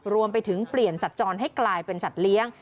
รวมไปถึงเปลี่ยนสัตว์จรให้กลายเป็นสัตว์เลี้ยง